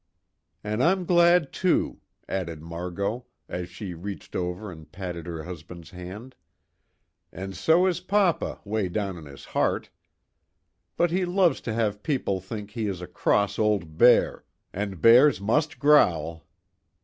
"And I'm glad, too," added Margot, as she reached over and patted her husband's hand, "And so is papa way down in his heart. But he loves to have people think he is a cross old bear and bears must growl."